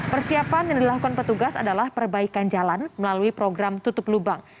persiapan yang dilakukan petugas adalah perbaikan jalan melalui program tutup lubang